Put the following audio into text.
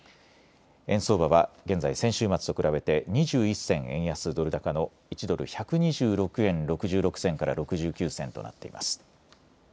円相場は現在、先週末と比べて２１銭円安ドル高の１ドル１２６円６６銭から６９銭となっています。